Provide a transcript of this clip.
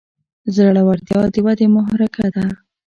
زړورتیا د ودې محرکه ده.